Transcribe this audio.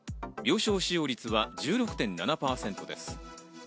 病床使用率は１６．７％です。